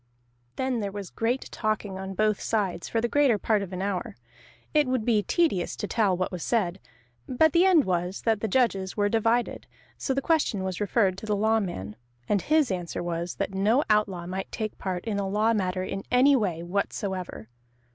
Then there was great talking on both sides, for the greater part of an hour: it would be tedious to tell what was said. But the end was, that the judges were divided, so the question was referred to the Lawman. And his answer was, that no outlaw might take part in a law matter in any way whatsoever.